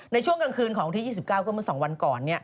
ในช่วงกลางคืนของวันที่๒๙ก็เมื่อ๒วันก่อน